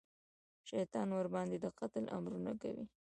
شیطان ورباندې د قتل امرونه کوي.